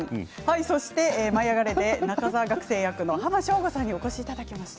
そして「舞いあがれ！」で中澤学生役の濱省吾さんにお越しいただきました。